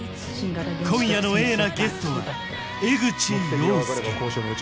今夜のＡなゲストは江口洋介